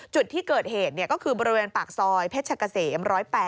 จุดที่เกิดเหตุก็คือบริเวณปากซอยเพชรกะเสม๑๐๘